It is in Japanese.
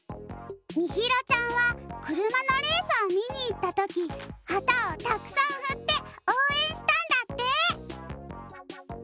みひろちゃんはくるまのレースをみにいったときはたをたくさんふっておうえんしたんだって。